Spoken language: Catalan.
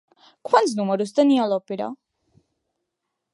Quants números tenia l'òpera?